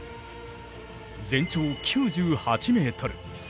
全長９８メートル